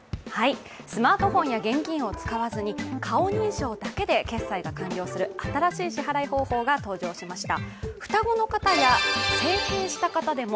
スマートフォンや現金を使わずに顔認証だけで決済が完了する新しい支払い方法が登場しました。